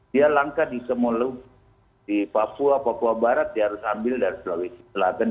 dia langka di semolung di papua papua barat dia harus diambil dari sulawesi selatan